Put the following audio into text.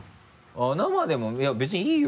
生でもいや別にいいよ。